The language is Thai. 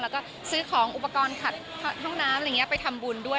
แล้วก็ซื้อของอุปกรณ์ขัดห้องน้ำไปทำบุญด้วย